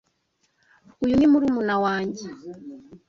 Uyu ni murumuna wanjye.